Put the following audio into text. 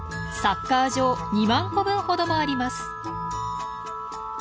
サッカー場２万個分ほどもあります。